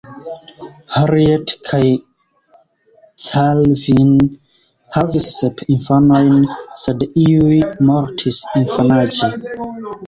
Harriet kaj Calvin havis sep infanojn, sed iuj mortis infanaĝe.